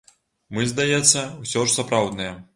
Мы, здаецца, усё ж сапраўдныя.